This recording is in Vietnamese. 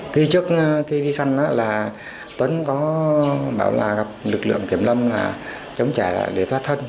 trước khi đi săn tuấn bảo gặp lực lượng kiểm lâm chống chạy để thoát thân